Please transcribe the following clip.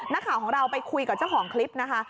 นักข่าวของเราไปคุยกับเจ้าของคลิปนะคะ